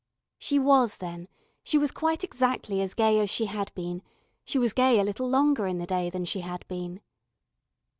She was then, she was quite exactly as gay as she had been, she was gay a little longer in the day than she had been.